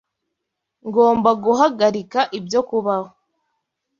Ngomba guhagarika ibyo kubaho.